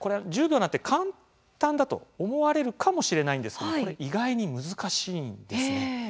１０秒なんて簡単だと思われるかもしれないんですけどこれ意外に難しいんですね。